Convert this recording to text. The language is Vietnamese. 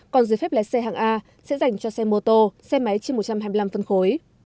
còn dưới phép lé xe hạng a sẽ dành cho xe mô tô xe máy trên một trăm hai mươi năm phân khối